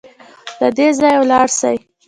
له دې ځايه ولاړ سئ